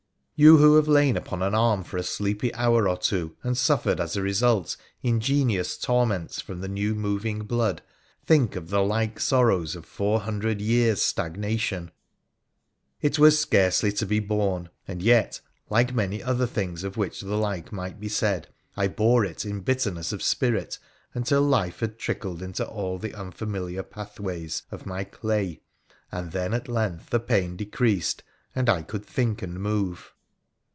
You who have lain upon an arm for a sleepy hour or two and suffered as a result ingenious torments from the new moving blood, think of the like sorrows of four hundred years' stagnation ! It was scarcely to be borne, and yet, like many other things of which the like might be said, I bore it iu bitterness of spirit, until life had trickled into all the unfamiliar pathways 26 WONDERFUL ADVEN1VRES OF of my clay, and then at length the pain decreased and I could think and move.